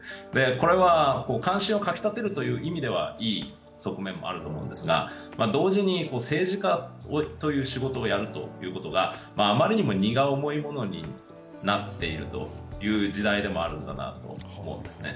これは関心をかき立てるという意味ではいい側面もあると思うんですが、同時に政治家という仕事をやることがあまりにも荷が重いものになっているという時代でもあるんだなと思うんですね。